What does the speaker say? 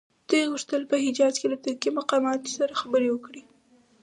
دوی غوښتل په حجاز کې له ترکي مقاماتو سره خبرې وکړي.